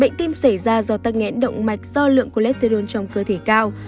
bệnh tim xảy ra do tăng nghẽn động mạch do lượng cholesterol trong cơ thể cao